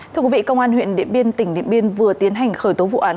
thưa quý vị công an huyện điện biên tỉnh điện biên vừa tiến hành khởi tố vụ án